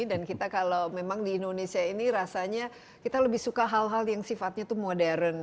dan kita kalau memang di indonesia ini rasanya kita lebih suka hal hal yang sifatnya itu modern